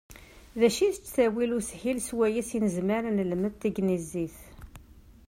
D acu i d ttawil ushil swayes i nezmer ad nelmed tagnizit?